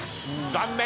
残念！